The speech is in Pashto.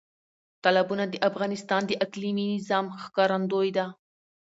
تالابونه د افغانستان د اقلیمي نظام ښکارندوی ده.